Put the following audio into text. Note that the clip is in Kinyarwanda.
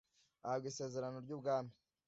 Ahabwa isezerano ry’ubwami